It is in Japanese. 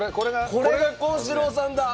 これが幸四郎さんだ。